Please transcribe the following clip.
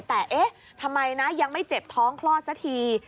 แต่ทำไมยังไม่เจ็บท้องคลอดสักที